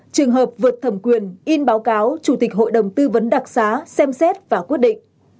trường hợp vượt thẩm quyền in báo cáo chủ tịch hội đồng tư vấn đặc xá xem xét và quyết định